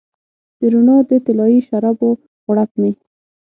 د روڼا د طلایې شرابو غوړپ مې